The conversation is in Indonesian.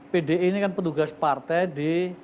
pdi ini kan petugas partai di